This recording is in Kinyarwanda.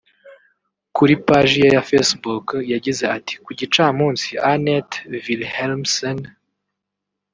Kuri paji ye ya Facebook yagize ati “Ku gicamunsi Annette Vilhelmsen